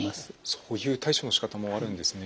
そういう対処のしかたもあるんですね。